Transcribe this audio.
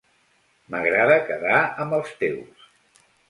M'agrada quedar amb els teus.